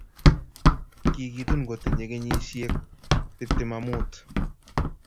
Kigitun kotinye kenyishiek tuptem ak muut